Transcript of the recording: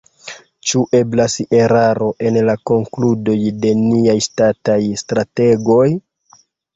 Ĉu eblas eraro en la konkludoj de niaj ŝtataj strategoj?